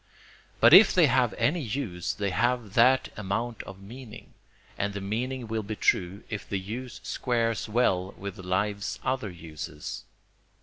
But if they have any use they have that amount of meaning. And the meaning will be true if the use squares well with life's other uses.